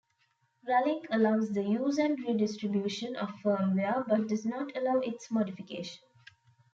Ralink allows the use and redistribution of firmware, but does not allow its modification.